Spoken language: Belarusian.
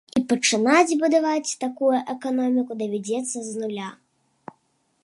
І пачынаць будаваць такую эканоміку давядзецца з нуля.